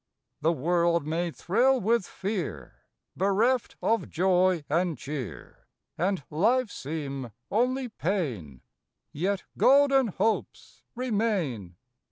The world may thrill with fear, Bereft of joy and cheer, And life seem only pain Yet golden hopes remain.